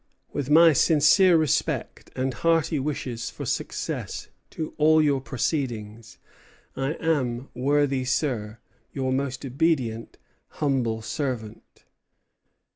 With my sincere respect and hearty wishes for success to all your proceedings, I am, worthy sir, your most obedient, humble servant."